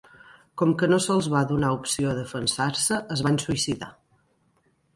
Com que no se'ls va donar opció a defensar-se es van suïcidar.